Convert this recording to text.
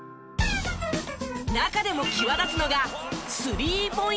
中でも際立つのが３ポイント